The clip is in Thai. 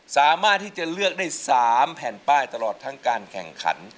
สามารถที่จะเลือกได้๓แผ่นป้ายตลอดทั้งการแข่งขัน